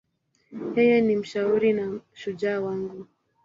Yeye ni mshauri na shujaa wangu.